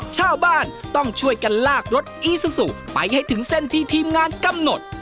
ชาวบ้านต้องช่วยกันลากรถอีซูซูไปให้ถึงเส้นที่ทีมงานกำหนด